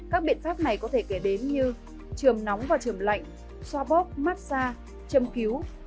các biện pháp này có thể kể đến như trường nóng và trường lạnh xoa bóp massage châm cứu